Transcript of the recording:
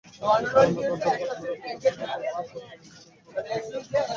ধর্মগ্রন্থপাঠ, গুরূপদেশ, সাধুদর্শন, সৎপুরুষের সঙ্গ প্রভৃতি ঐ বিষয়ে সাহায্য করে মাত্র।